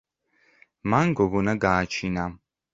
მან გოგონა გააჩინა.